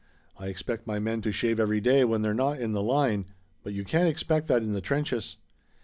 I expect my men to shave every day when they're not in the line, but you can't expect that in the trenches.